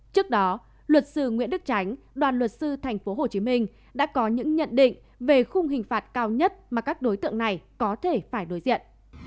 trước đó luật sư nguyễn đức tránh đoàn luật sư tp hcm đã có những nhận định về khung hình phạt cao nhất mà các đối tượng này có thể phải đối diện